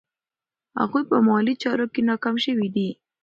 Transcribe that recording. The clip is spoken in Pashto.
هغوی په مالي چارو کې ناکام شوي دي.